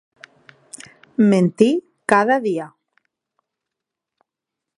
Mentir cada dia!